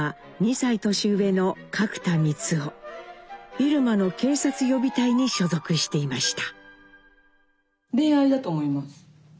入間の警察予備隊に所属していました。